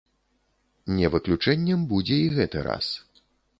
Не выключэннем будзе і гэты раз.